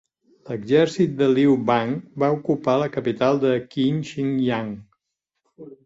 L'exèrcit de Liu Bang va ocupar la capital de Qin, Xianyang.